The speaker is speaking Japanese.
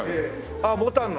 ああボタンの？